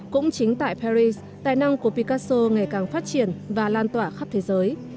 cũng chính tại paris tài năng của picaso ngày càng phát triển và lan tỏa khắp thế giới